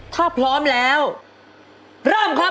ถ้าพร้อมแล้วเริ่มครับ